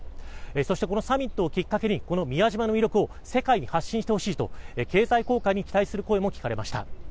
そしてこのサミットをきっかけにこの宮島の魅力を世界に発信してほしいと経済効果に期待する声も聞かれました。